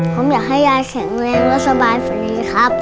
ผมอยากให้ยายแข็งแรงและสบายฝีครับ